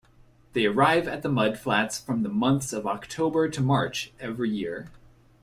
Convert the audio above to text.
They arrive at the mudflats from the months of October to March every year.